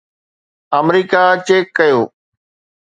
آمريڪا check ڪيو